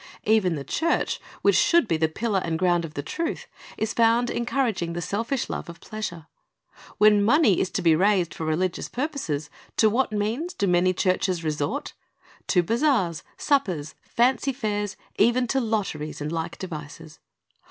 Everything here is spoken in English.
Even the church, which should be the pillar and ground of the truth, is found encouraging the selfish love of pleasure. When money is to be raised for religious pur poses, to what means do many churches resort? — To bazaars, suppers, fancy fairs, even to lotteries, and like devices.